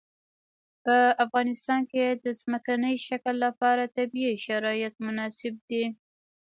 په افغانستان کې د ځمکنی شکل لپاره طبیعي شرایط مناسب دي.